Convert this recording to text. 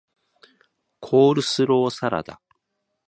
コールスローサラダ